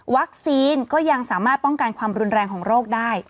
ก็ยังสามารถป้องกันความรุนแรงของโรคได้